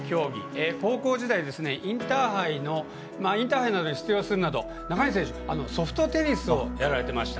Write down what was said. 高校時代、インターハイなどに出場するなど中西選手、ソフトテニスをやられていました。